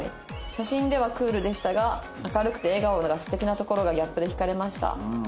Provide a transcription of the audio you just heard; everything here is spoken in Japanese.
「写真ではクールでしたが明るくて笑顔が素敵なところがギャップで惹かれました」